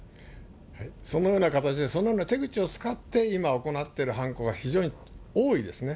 そのような形で、そのような手口を使って今、行ってる犯行が非常に多いですね。